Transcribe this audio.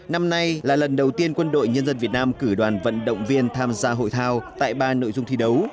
năm nay là lần đầu tiên quân đội nhân dân việt nam cử đoàn vận động viên tham gia hội thao tại ba nội dung thi đấu